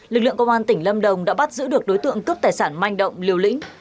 lực lượng công an tỉnh lâm đồng đã bắt giữ được đối tượng cướp tài sản manh động liều lĩnh